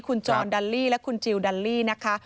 คุณจรดัลลี่และคุณจิลดัลลี่นะคะ